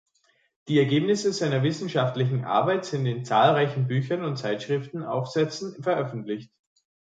Die Ergebnisse seiner wissenschaftlichen Arbeit sind in zahlreichen Büchern und Zeitschriftenaufsätzen veröffentlicht.